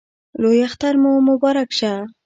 لوی اختر مو مبارک شه